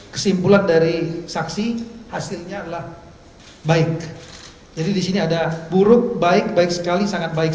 kesimpulan dari saksi hasilnya adalah baik jadi disini ada buruk baik baik sekali sangat baik